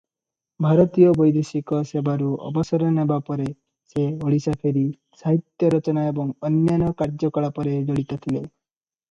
ଭାରତୀୟ ବୈଦେଶିକ ସେବାରୁ ଅବସର ନେବା ପରେ ସେ ଓଡ଼ିଶା ଫେରି ସାହିତ୍ୟ ରଚନା ଏବଂ ଅନ୍ୟାନ୍ୟ କାର୍ଯ୍ୟକଳାପରେ ଜଡ଼ିତ ଥିଲେ ।